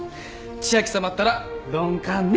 千秋さまったら鈍感ね。